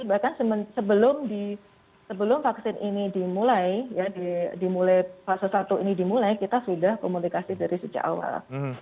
bahkan sebelum vaksin ini dimulai fase satu ini dimulai kita sudah komunikasi dari sejak awal